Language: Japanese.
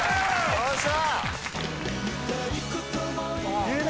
よっしゃ！